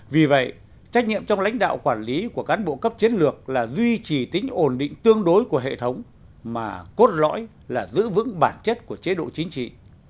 vì vậy trách nhiệm trong lãnh đạo quản lý của cán bộ cấp chiến lược là duy trì tính ổn định tương đối của hệ thống mà cốt lõi là giữ vững bản chất của chế độ chính trị